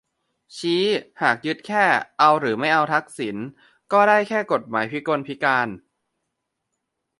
ชี้หากยึดแค่ เอาหรือไม่เอาทักษิณ ก็ได้แค่กฎหมายพิกลพิการ